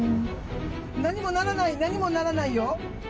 何も鳴らない、何も鳴らないよ。